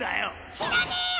⁉知らねぇよ！